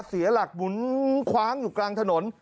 เสียหลักหมุนคว้างอยู่กลางถนน